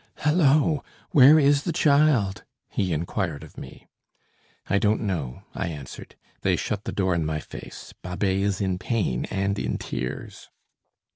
"Hallo! where is the child?" he inquired of me. "I don't know," I answered; "they shut the door in my face Babet is in pain and in tears."